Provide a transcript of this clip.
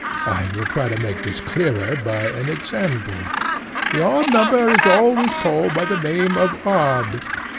I will try to make this clearer by an example:—The odd number is always called by the name of odd?